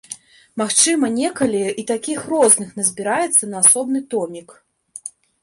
Магчыма, некалі і такіх розных назбіраецца на асобны томік.